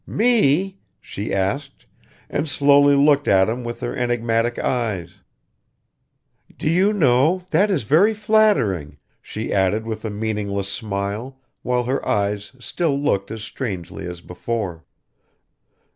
"Me?" she asked, and slowly looked at him with her enigmatic eyes. "Do you know, that is very flattering," she added with a meaningless smile, while her eyes still looked as strangely as before.